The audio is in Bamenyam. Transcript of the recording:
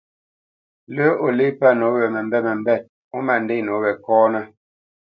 Lə́ o lê pə́ nǒ we məmbêt məmbêt ó ma ndê nǒ we kɔ́nə́.